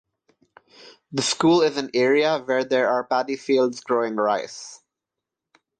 The school is an area where there are paddy fields growing rice.